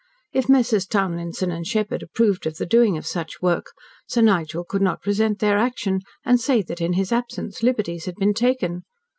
If Messrs. Townlinson & Sheppard approved of the doing of such work, Sir Nigel could not resent their action, and say that in his absence liberties had been taken.